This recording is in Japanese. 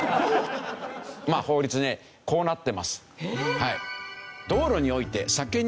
まあ法律ねこうなってます。